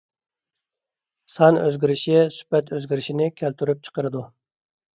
سان ئۆزگىرىشى سۈپەت ئۆزگىرىشىنى كەلتۈرۈپ چىقىرىدۇ.